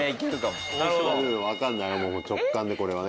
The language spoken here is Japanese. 直感でこれはね。